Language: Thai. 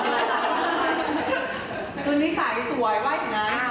คืนนิสัยสวยว่ะอย่างนั้น